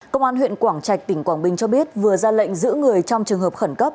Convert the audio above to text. công an huyện quảng trạch tỉnh quảng bình cho biết vừa ra lệnh giữ người trong trường hợp khẩn cấp